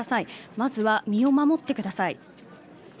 まずは身を守ってください。